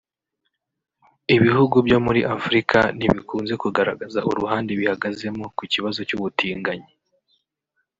Ibihugu byo muri Afurika ntibikunze kugaragaza uruhande bihagazemo ku kibazo cy’ubutinganyi